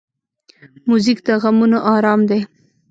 موزیک د غمونو آرام دی.